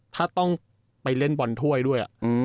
ถ้าต้องไปเล่นบอลถ้วยด้วย